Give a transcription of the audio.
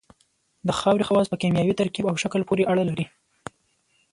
د خاورې خواص په کیمیاوي ترکیب او شکل پورې اړه لري